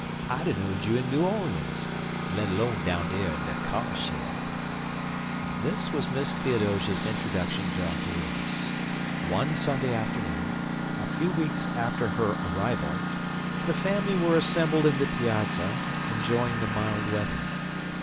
I'd a know'd you in New 'Leens, let lone down dar in de kyar shed." This was Miss Theodosia's introduction to Uncle Remus. One Sunday afternoon, a few weeks after her arrival, the family were assembled in the piazza enjoying the mild weather.